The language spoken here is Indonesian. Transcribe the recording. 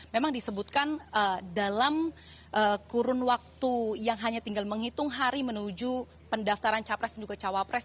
memang disebutkan dalam kurun waktu yang hanya tinggal menghitung hari menuju pendaftaran capres dan juga cawapres